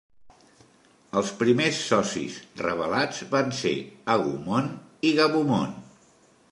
Els primers socis revelats van ser Agumon i Gabumon.